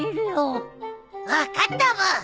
分かったブー。